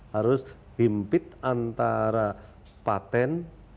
harus impit antara patent